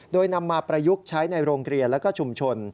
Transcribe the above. โดยนำมาประยุกต์ใช้ในโรงเรียนและก็ชุมชน